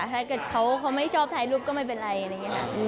ถ้าเกิดเขาไม่ชอบถ่ายรูปก็ไม่เป็นไรอะไรอย่างนี้ค่ะ